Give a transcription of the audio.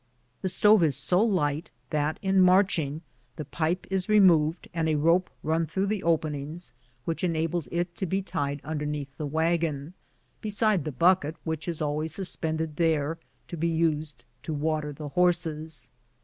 The stove is so light that, in marching, the pipe is removed and a rope run through 48 BOOTS AND SADDLES. the openings, which enables it to be tied underneath the wagon, beside the bucket which is always suspended there to be used to water the horses.